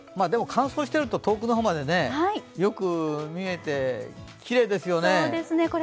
でも乾燥してると、遠くの方までよく見えてきれいですよね。